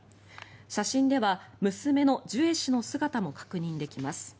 写真では娘のジュエ氏の姿も確認できます。